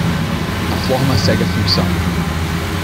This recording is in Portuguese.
A forma segue a função.